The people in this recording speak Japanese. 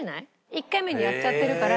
１回目にやっちゃってるから。